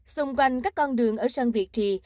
trên các con đường ở sân việt trì